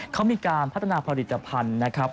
เขามีการพัฒนาผลิตภัณฑ์นะครับ